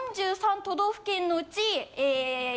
４３都道府県のうち？